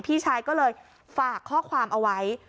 พี่ชายก็เลยฝากข้อความเอาไว้